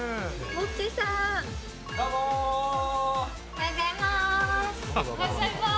おはようございます。